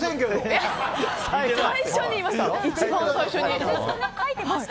最初に言いました。